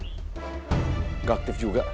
nggak aktif juga